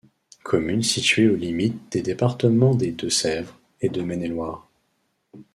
Commune située aux limites des départements des Deux-Sèvres et de Maine-et-Loire.